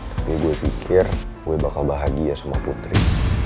tapi gue pikir gue bakal bahagia semua putri